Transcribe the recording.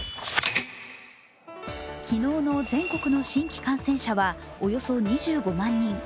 昨日の全国の新規感染者はおよそ２５万人。